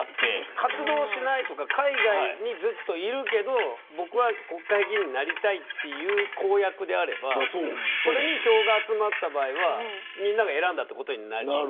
活動しないとか海外に、ずっといるけど僕は国会議員になりたいという公約であればそれに票が集まった場合はみんなが選んだことになります。